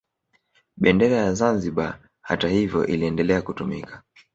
Bendera ya Zanzibar hata hivyo iliendelea kutumika